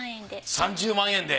３０万円で？